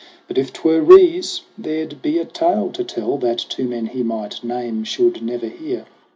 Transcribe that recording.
But if 'twere Rees there'd be a tale to tell That two men he might name should never hear.